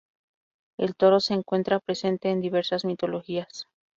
El toro se encuentra presente en diversas mitologías.